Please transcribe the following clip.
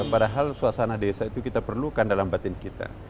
padahal suasana desa itu kita perlukan dalam batin kita